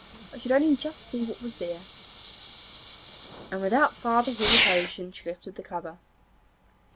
I should only just see what was there.' And without farther hesitation she lifted the cover.